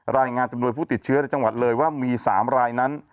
รายงานจำนวนผู้ติดเชื้อในจังหวัดเลยว่ามี๓รายนั้น